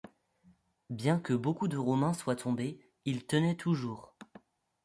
Bien que beaucoup de Romains soient tombés, ils tenaient toujours.